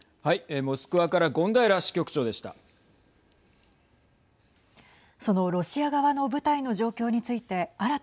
モスクワから権平支局長でした。